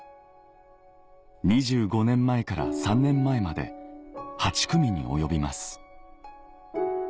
２５年前から３年前まで８組に及びます